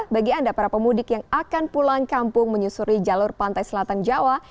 bagi anda para pemudik yang akan pulang kampung menyusuri jalur pantai selatan jawa